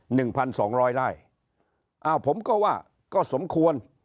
หนึ่งพันสองร้อยไร่อ้าวผมก็ว่าก็สมควร